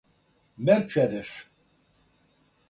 мерцедес